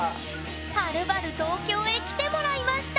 はるばる東京へ来てもらいました！